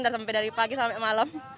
dari pagi sampai malam